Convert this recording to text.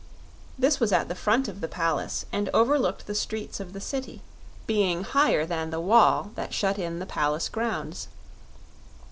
This was at the front of the palace and overlooked the streets of the City, being higher than the wall that shut in the palace grounds.